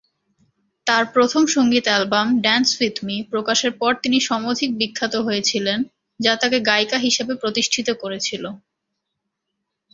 তার প্রথম সঙ্গীত-অ্যালবাম "ড্যান্স উইথ মি" প্রকাশের পরে তিনি সমধিক বিখ্যাত হয়েছিলেন যা তাকে গায়িকা হিসাবে প্রতিষ্ঠিত করেছিল।